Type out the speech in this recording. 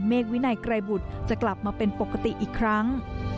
วินัยไกรบุตรจะกลับมาเป็นปกติอีกครั้ง